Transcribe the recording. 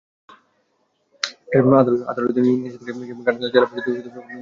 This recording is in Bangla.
আদালতের নিষেধাজ্ঞা কিংবা ঘাট বন্ধে জেলা পরিষদের কোনো নির্দেশনা তিনি পাননি।